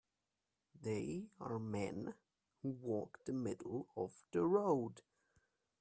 They are men who walk the middle of the road.